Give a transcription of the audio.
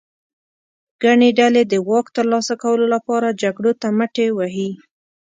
ګڼې ډلې د واک ترلاسه کولو لپاره جګړو ته مټې وهي.